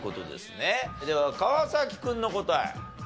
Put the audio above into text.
では川君の答え。